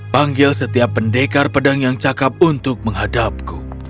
panggil setiap pendekar pedang yang cakep untuk menghadapku